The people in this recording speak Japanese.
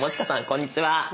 こんにちは。